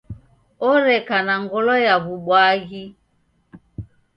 Oreka na ngolo ya w'ubwaghi.